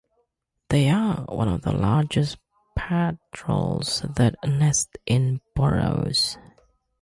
They are one of the largest petrels that nest in burrows.